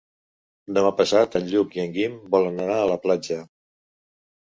Demà passat en Lluc i en Guim volen anar a la platja.